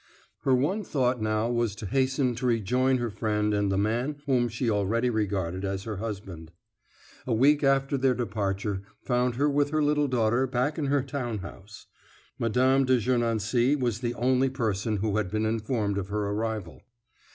Her one thought now was to hasten to rejoin her friend and the man whom she already regarded as her husband. A week after their departure found her with her little daughter back in her town house. Mme. de Gernancé was the only person who had been informed of her arrival.